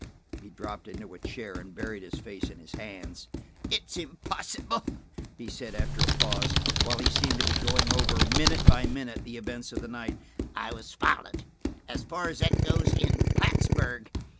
He dropped into a chair and buried his face in his hands. "It's impossible," he said after a pause, while he seemed to be going over, minute by minute, the events of the night. "I was followed, as far as that goes, in Plattsburg.